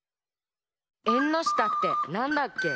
「えんのしたってなんだっけ？」